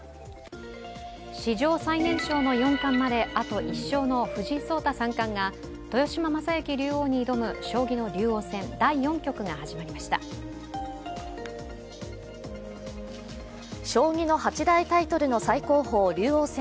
史上最年少の四冠まであと１勝の藤井聡太三冠が豊島将之竜王に挑む将棋の竜王戦